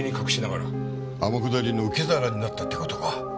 天下りの受け皿になったって事か。